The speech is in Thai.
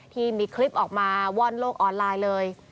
ที่มีคลิปออกมาว่อนโลกออนไลน์เลย